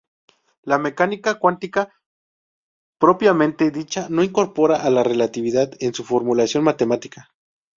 La mecánica cuántica propiamente dicha no incorpora a la relatividad en su formulación matemática.